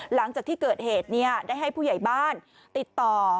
หลังจากที่เกิดเหตุได้ให้ผู้ใหญ่บ้านติดต่อ